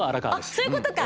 あっそういうことか！